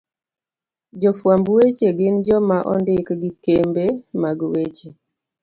Jofwamb weche gin joma ondik gi kembe mag weche